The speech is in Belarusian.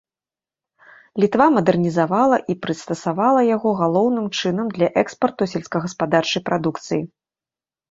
Літва мадэрнізавала і прыстасавала яго галоўным чынам для экспарту сельскагаспадарчай прадукцыі.